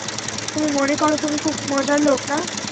তুমি মনে করো তুমি খুব মজার লোক না?